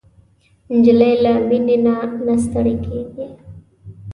نجلۍ له مینې نه نه ستړېږي.